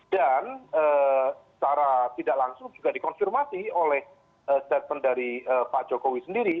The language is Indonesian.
dan secara tidak langsung juga dikonfirmasi oleh setan dari pak jokowi sendiri